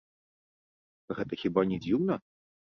Гэта хіба не дзіўна?